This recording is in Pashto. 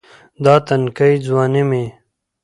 دا تنکے ځواني مې